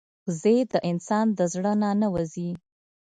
وزې د انسان د زړه نه نه وځي